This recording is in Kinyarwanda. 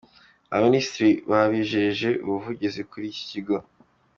Abaminisitiri babijeje ubuvugizi kuri iki kigo.